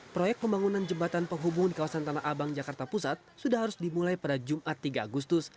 proyek pembangunan jembatan penghubung di kawasan tanah abang jakarta pusat sudah harus dimulai pada jumat tiga agustus